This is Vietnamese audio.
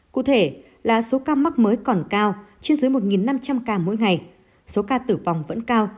cụ thể là số ca mắc mới còn cao trên dưới một năm trăm linh ca mỗi ngày số ca tử vong vẫn cao